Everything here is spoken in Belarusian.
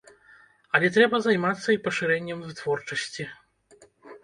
Але трэба займацца і пашырэннем вытворчасці.